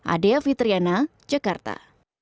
adia fitriana jakarta